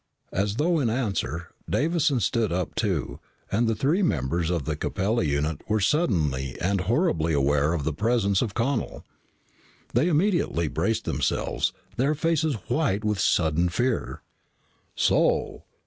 As though in answer, Davison stood up too and the three members of the Capella unit were suddenly and horribly aware of the presence of Connel. They immediately braced themselves, their faces white with sudden fear. "So!"